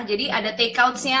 jadi ada take out nya